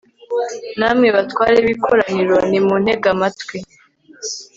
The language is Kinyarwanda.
namwe batware b'ikoraniro, nimuntege amatwi